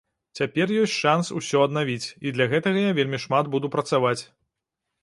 Цяпер ёсць шанс усё аднавіць, і для гэтага я вельмі шмат буду працаваць.